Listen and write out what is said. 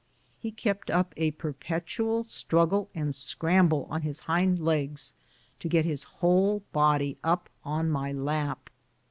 He kept up a perpetual struggle and scramble on his hind legs to get his whole body up on my lap.